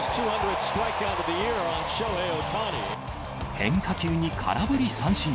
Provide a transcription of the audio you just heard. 変化球に空振り三振。